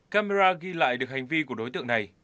camera ghi lại được hành vi của đối tượng này